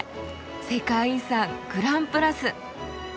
世界遺産グランプラス。